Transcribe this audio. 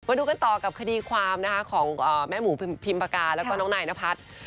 มาดูกันต่อกับคดีความนะคะของแม่หมูพิมปากาแล้วก็น้องนายนพัฒน์